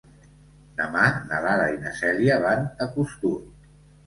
Demà na Lara i na Cèlia van a Costur.